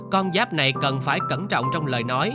con giáp này cần phải cẩn trọng trong lời nói